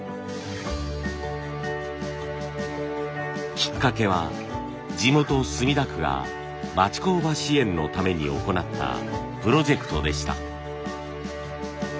きっかけは地元墨田区が町工場支援のために行ったプロジェクトでした。